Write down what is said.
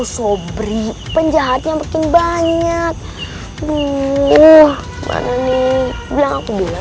sobring penjahatnya mungkin banyak